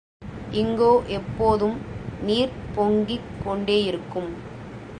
இங்கோ எப்போதும் நீர் பொங்கிக் கொண்டேயிருக்கும்.